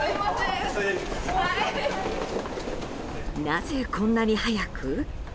なぜこんなに早く？